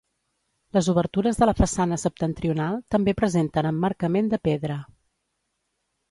Les obertures de la façana septentrional també presenten emmarcament de pedra.